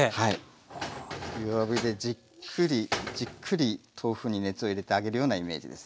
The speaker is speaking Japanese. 弱火でじっくりじっくり豆腐に熱を入れてあげるようなイメージですね。